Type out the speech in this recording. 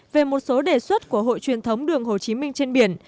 về một số đề xuất của hội truyền thống đường hồ chí minh trên biển